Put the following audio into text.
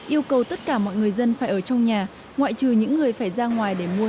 yêu cầu tất cả mọi người dân phải ở trong nhà ngoại trừ những người phải ra ngoài để mua